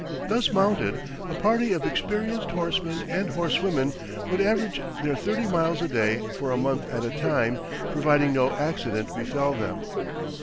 Thus mounted, a party of experienced horsemen and horsewomen would average their thirty miles a day for a month at a time, providing no accident befel them.